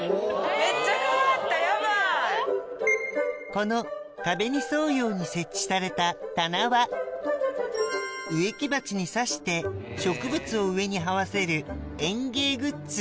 この壁に沿うように設置された棚は植木鉢に挿して植物を上にはわせる園芸グッズ